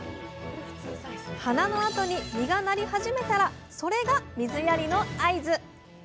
花のあとに実がなり始めたらそれが水やりの合図！